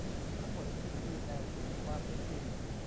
ทั้งหมดนี้คือแนวคิดสมาร์ทซิตี้